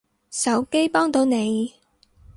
手機幫到你